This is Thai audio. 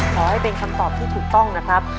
ขอให้เป็นคำตอบที่ถูกต้องนะครับ